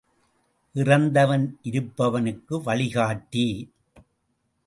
இறந்தவன் இருப்பவனுக்கு வழிகாட்டி.